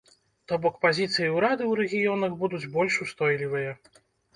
То бок, пазіцыі ўраду ў рэгіёнах будуць больш устойлівыя.